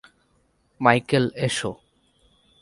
Michael S.